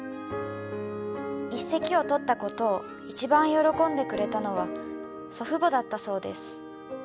一席を取ったことを一番喜んでくれたのは祖父母だったそうです。